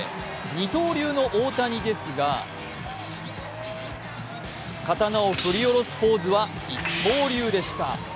二刀流の大谷ですが刀を振り下ろすポーズは一刀流でした。